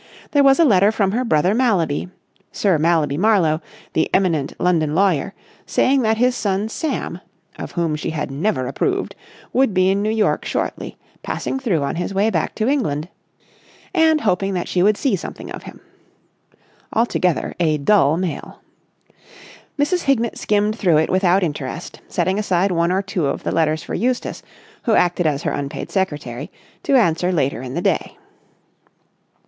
There was a letter from her brother Mallaby—Sir Mallaby Marlowe, the eminent London lawyer—saying that his son Sam, of whom she had never approved, would be in New York shortly, passing through on his way back to England, and hoping that she would see something of him. Altogether a dull mail. Mrs. Hignett skimmed through it without interest, setting aside one or two of the letters for Eustace, who acted as her unpaid secretary, to answer later in the day.